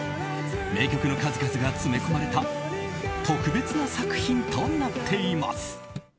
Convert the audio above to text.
名曲の数々が詰め込まれた特別な作品となっています。